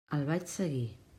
El vaig seguir.